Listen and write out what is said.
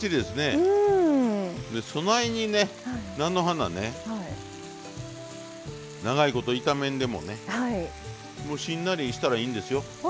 でそないにね菜の花ね長いこと炒めんでもねもうしんなりしたらいいんですよ。